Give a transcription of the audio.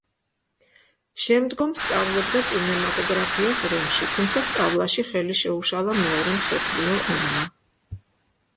შემდგომ სწავლობდა კინემატოგრაფიას რომში, თუმცა სწავლაში ხელი შეუშალა მეორე მსოფლიო ომმა.